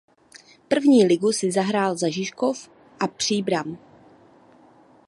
První ligu si zahrál za Žižkov a Příbram.